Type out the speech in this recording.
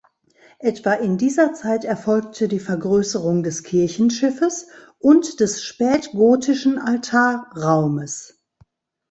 Etwa in dieser Zeit erfolgte die Vergrößerung des Kirchenschiffes und des spätgotischen Altarraumes.